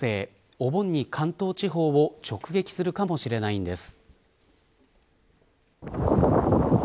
お盆に関東地方を直撃するかもしれないんです。